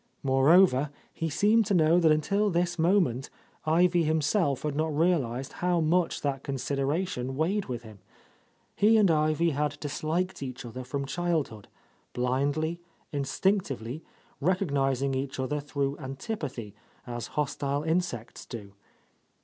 Moreover, he seemed to know that until this moment Ivy him —105— A Lost Lady self had not realized how much that considera tion weighed with him. He and Ivy had disliked each other from childhood, blindly, instinctively, recognizing each other through antipathy, as hostile insects do.